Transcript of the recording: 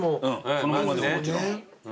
そのままでももちろん。